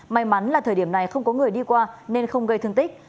may mắn là thời điểm này không có người đi qua nên không gây thương tích